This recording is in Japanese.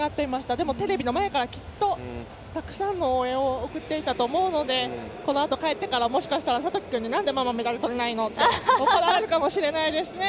でもテレビの前からきっとたくさんの応援を送っていたと思うのでこのあと帰ってからもしかしたら、諭樹君になんでママメダルとれないのって怒られるかもしれないですね。